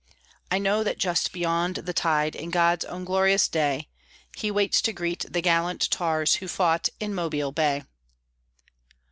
I know that just beyond the tide, In God's own glorious day, He waits to greet the gallant tars Who fought in Mobile Bay.